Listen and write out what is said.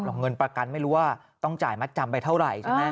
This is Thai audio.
เงินประกันไม่รู้ว่าต้องจ่ายมัดจำไปเท่าไหร่ใช่ไหม